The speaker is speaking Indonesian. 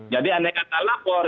jadi aneh kata lapor